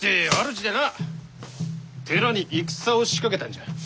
主でな寺に戦を仕掛けたんじゃ。